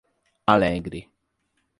Alegre